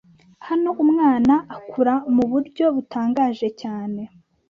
Hano umwana akura mu buryo butangaje cyane.